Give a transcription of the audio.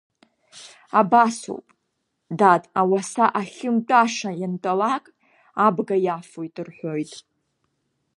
Абас ауп, дад, ауаса ахьымтәаша иантәалак абга иафоит, — рҳәоит.